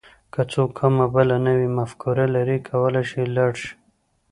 که څوک کومه بله نوې مفکوره لري کولای شي لاړ شي.